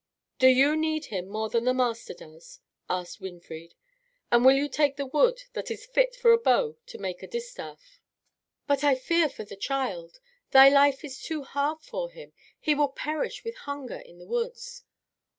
"Do you need him more than the Master does?" asked Winfried; "and will you take the wood that is fit for a bow to make a distaff?" "But I fear for the child. Thy life is too hard for him. He will perish with hunger in the woods."